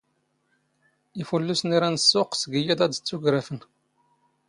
ⵉⴼⵓⵍⵍⵓⵙⵏ ⵉⵔⴰⵏ ⵙⵙⵓⵇ ⵙⴳ ⵢⵉⴹ ⴰⵢⴷ ⵜⵜⵓⴽⵔⴰⴼⵏ